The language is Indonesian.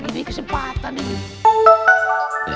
ini kesempatan ini